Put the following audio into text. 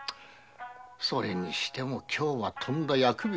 それにしても今日はとんだ厄日。